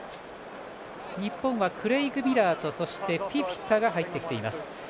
日本は、クレイグ・ミラーとフィフィタが入ってきています。